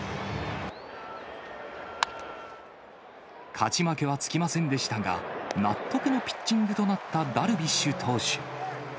勝ち負けはつきませんでしたが、納得のピッチングとなったダルビッシュ投手。